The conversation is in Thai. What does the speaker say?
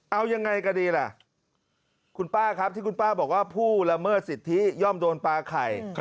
เอายังไงก็ดีล่ะคุณป้าครับที่คุณป้าบอกว่าผู้ละเมิดสิทธิย่อมโดนปลาไข่